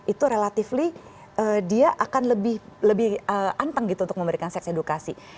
itu relatively dia akan lebih anteng gitu untuk memberikan seks edukasi